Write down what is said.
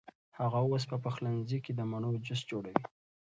هغه اوس په پخلنځي کې د مڼو جوس جوړوي.